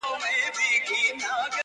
اوس چي سهار دى گراني.